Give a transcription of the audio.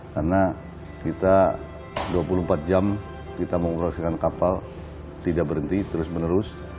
karena kita dua puluh empat jam kita mengoperasikan kapal tidak berhenti terus menerus